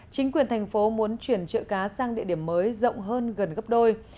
chính quyền thành phố muốn chuyển trợ cá sang địa điểm mới rộng hơn gần gấp đôi